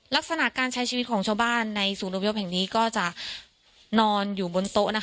ลักษณะการใช้ชีวิตของชาวบ้านในศูนย์อพยพแห่งนี้ก็จะนอนอยู่บนโต๊ะนะคะ